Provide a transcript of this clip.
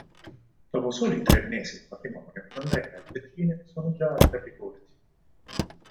Dopo soli tre mesi di matrimonio Andrea e Virginia sono già ai ferri corti.